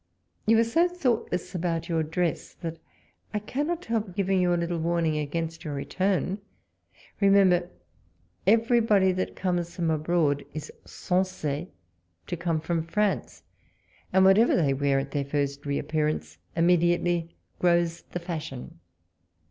You are so thoughtless about your dress, that I cannot help giving you a little warning against your return. Remember, everybody that comes from abroad is censr to come from France, and whatever they wear at their first reappearance immediately grows the fashion.